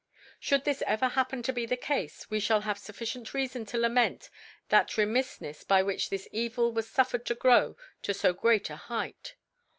Should this ever happen to be tlie Cafe, we (hall have fufEcient Reafon to lament that Remiffnefs by which this Evil was fuf fcred to grow to fo great a Height.